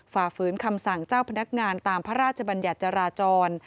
ฝ่าฝืนคำสั่งเจ้าพนักงานตามพระราชบัญญัติจราจร